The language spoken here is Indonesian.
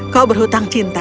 kau berhutang cinta